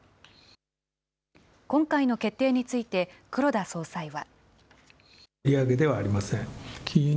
今回の決定について、黒田総裁は。